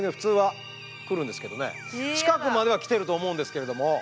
近くまでは来てると思うんですけれども。